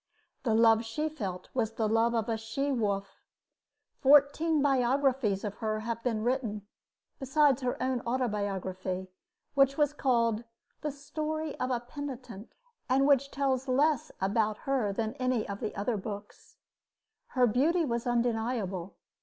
The love she felt was the love of a she wolf. Fourteen biographies of her have been written, besides her own autobiography, which was called The Story of a Penitent, and which tells less about her than any of the other books. Her beauty was undeniable.